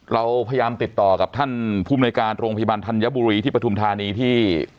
เราพยายามติดต่อกับท่านภูมิในการโรงพยาบาลธัญบุรีที่ปฐุมธานีที่